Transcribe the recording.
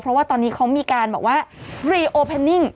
เพราะว่าตอนนี้เขามีการแบบว่ารีโอเพนนิ่ง